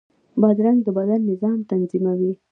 بادرنګ د بدن نظام تنظیموي.